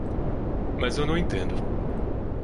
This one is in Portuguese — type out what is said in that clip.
Mas eu não entendo.